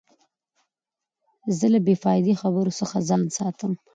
زه له بې فایدې خبرو څخه ځان ساتم.